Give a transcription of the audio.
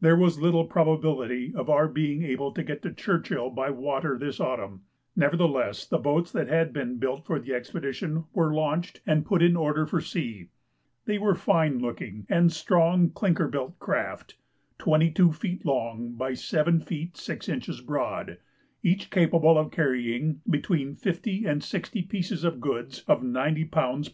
There was little probability of our being able to get to Churchill by water this autumn, nevertheless the boats that had been built for the expedition were launched and put in order for sea. They were fine looking and strong clinker built craft, 22 feet long by 7 feet 6 inches broad, each capable of carrying between fifty and sixty pieces of goods of 90 lbs.